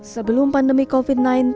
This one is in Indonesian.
sebelum pandemi covid sembilan belas